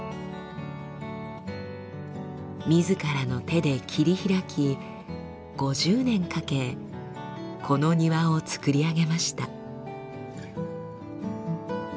みずからの手で切り開き５０年かけこの庭を作り上げました。